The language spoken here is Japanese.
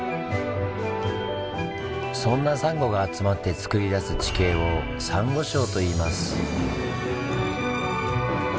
そんなサンゴが集まってつくり出す地形をサンゴ礁といいます。